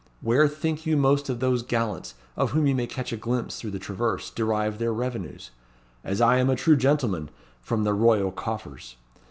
Where think you most of those gallants, of whom you may catch a glimpse through the traverse, derive their revenues? As I am a true gentleman! from the royal coffers.